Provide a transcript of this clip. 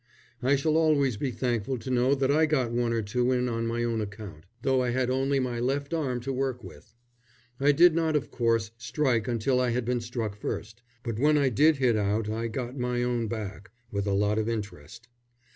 I shall always be thankful to know that I got one or two in on my own account, though I had only my left arm to work with. I did not, of course, strike until I had been struck first; but when I did hit out I got my own back, with a lot of interest.